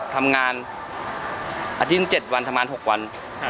ทำงานอาทิตย์๗วันทำงาน๖วัน